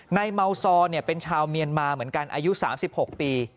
เมาซอเป็นชาวเมียนมาเหมือนกันอายุ๓๖ปี